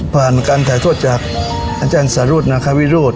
ผ่านการถ่ายโทษจากอาจารย์สารุธนาคาวิโรธ